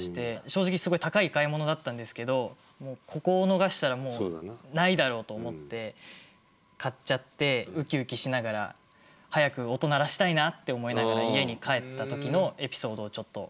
正直すごい高い買い物だったんですけどここを逃したらもうないだろうと思って買っちゃってウキウキしながら早く音鳴らしたいなって思いながら家に帰った時のエピソードをちょっと。